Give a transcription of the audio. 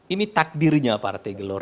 ini takdirnya partai gelora